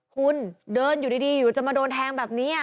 คุณเดินอยู่ดีอยู่จะมาโดนแทงแบบนี้